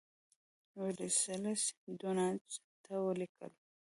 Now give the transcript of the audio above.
ویلسلي ډونډاس ته ولیکل.